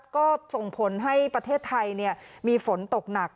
ก็ส่งผลให้ประเทศไทยมีฝนตกหนัก